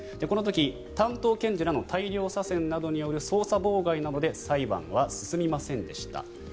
この時、担当検事らの大量左遷などによる捜査妨害で裁判は進みませんでした。